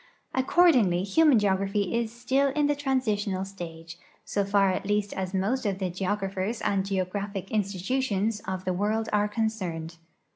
Accord ingly human geogra|)hy is still in the transitional stage, so far at least as most of the geographers and geographic institutions of the world are concerned.